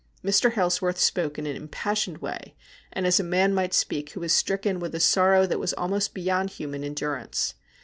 Mr. Hailsworth spoke in an impassioned way, and as a man might speak who was stricken with a sorrow that was almost beyond human endurance.